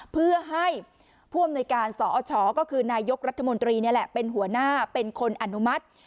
เพื่อให้ผู้อำนวยการสอชก็คือนายกรัฐมนตรีนี่แหละเป็นหัวหน้าเป็นคนอนุมัติ